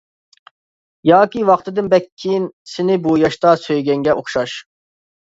ياكى ۋاقتىدىن بەك كېيىن، سېنى بۇ ياشتا سۆيگەنگە ئوخشاش.